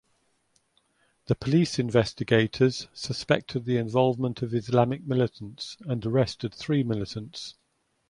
The police investigators suspected the involvement of Islamic militants and arrested three militants.